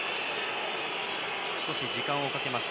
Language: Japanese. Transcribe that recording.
少し時間をかけています。